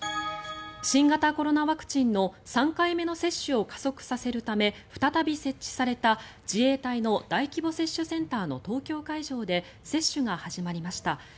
新型コロナワクチンの３回目の接種を加速させるため再び設置された自衛隊の大規模接種センターの東京会場で接種が始まりました。